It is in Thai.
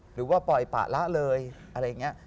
หรือว่าปล่อยปากละเลยอะไรเงี้ย